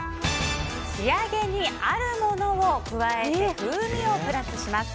仕上げにあるものを加えて風味をプラスします。